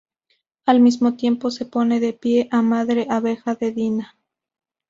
Al mismo tiempo, se pone de pie a madre abeja de Dina.